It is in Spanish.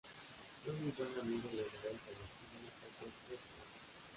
Fue muy buen amigo del ahora fallecido actor Heath Ledger.